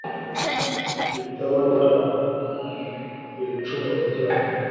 itababarahw ibicumuro byabo